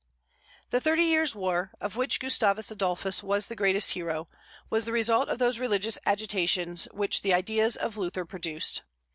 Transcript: The Thirty Years' War, of which Gustavus Adolphus was the greatest hero, was the result of those religious agitations which the ideas of Luther produced.